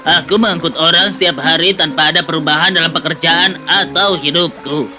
aku mengangkut orang setiap hari tanpa ada perubahan dalam pekerjaan atau hidupku